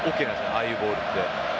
ああいうボールって。